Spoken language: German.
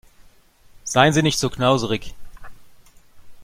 Seien Sie nicht so knauserig!